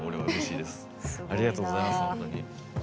ありがとうございますほんとに。